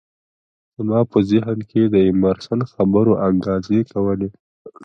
زما په ذهن کې د ایمرسن خبرو انګازې کولې